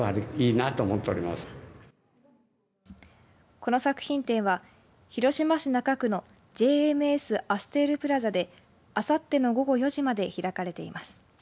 この作品展は広島市中区のＪＭＳアステールプラザであさっての午後４時まで開かれています。